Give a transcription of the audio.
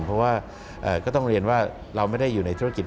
เพราะว่าก็ต้องเรียนว่าเราไม่ได้อยู่ในธุรกิจ